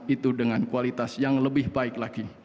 itu dengan kualitas yang lebih baik lagi